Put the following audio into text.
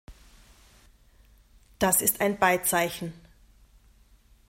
Das ist ein Beizeichen.